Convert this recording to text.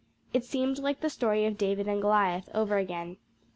It seemed like the story of David and Goliath over again.